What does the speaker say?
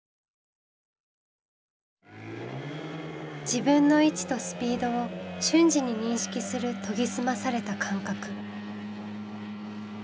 自分の位置とスピードを瞬時に認識する研ぎ澄まされた感覚。